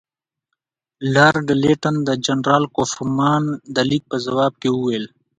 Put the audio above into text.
لارډ لیټن د جنرال کوفمان د لیک په ځواب کې وویل.